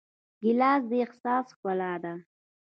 ګیلاس د احساس ښکلا ده.